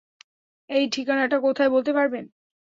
এই ঠিকানাটা কোথায় বলতে পারবেন?